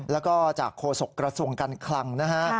แล้วก็จากโฆษกระทรวงการคลังนะฮะ